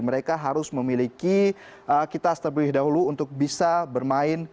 mereka harus memiliki kitas terlebih dahulu untuk bisa bermain